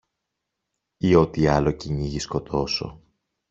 ή ό,τι άλλο κυνήγι σκοτώσω